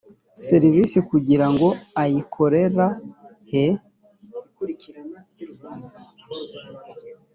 serivisi kugira ngo ayikorera he